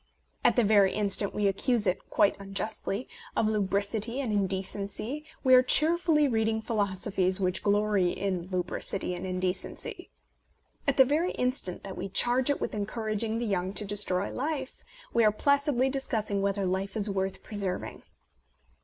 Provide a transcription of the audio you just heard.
At the very instant we accuse it (quite unjustly) of lubricity and indecency, we are cheerfully reading philosophies which glory in lubricity and indecency. At the very instant that we charge it with encouraging the young to destroy life, we are placidly discussing whether life is worth preserving.